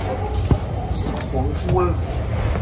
祖父黄福二。